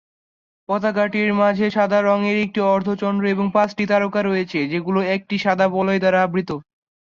পতাকাটির মাঝে সাদা রঙের একটি অর্ধচন্দ্র এবং পাঁচটি তারকা রয়েছে যেগুলো একটি সাদা বলয় দ্বারা আবৃত।